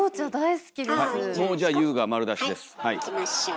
はいいきましょう。